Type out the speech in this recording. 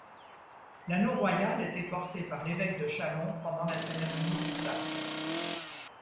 L'anneau royal était porté par l'évêque de Châlons pendant la cérémonie du sacre.